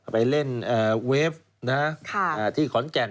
ไปเล่นเวฟที่ขอนแก่น